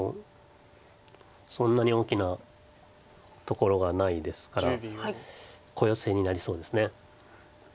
そんなに大きなところがないですから小ヨセになりそうです。